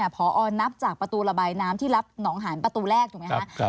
พอนับจากประตูระบายน้ำที่รับหนองหานประตูแรกถูกไหมคะ